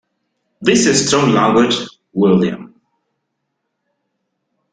This is strong language, William.